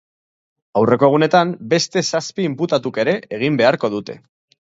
Aurreko egunetan, beste zazpi inputatuk ere egin beharko dute.